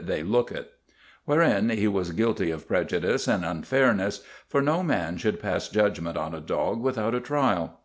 " They look it." Wherein he was guilty of prejudice and unfairness, for no man should pass judgment on a dog without a trial.